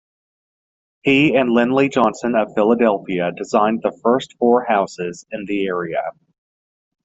He and Lindley Johnson of Philadelphia designed the first four houses in the area.